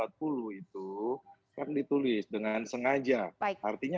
artinya apa mengetahui dan mengetahui itu